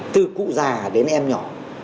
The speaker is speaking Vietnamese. từ cụ già đến em nhỏ